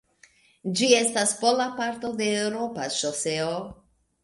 Ĝi estas pola parto de eŭropa ŝoseo.